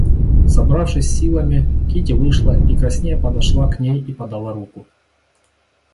Собравшись с силами, Кити вышла и краснея подошла к ней и подала руку.